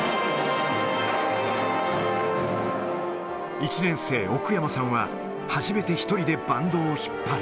１年生、奥山さんは初めて１人でバンドを引っ張る。